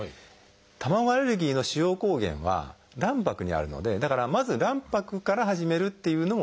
卵アレルギーの主要抗原は卵白にあるのでだからまず卵白から始めるっていうのも一つ手ですね。